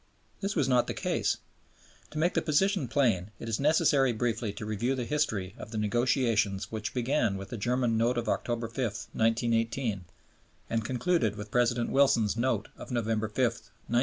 This was not the case. To make the position plain, it is necessary briefly to review the history, of the negotiations which began with the German Note of October 5, 1918, and concluded with President Wilson's Note of November 5, 1918.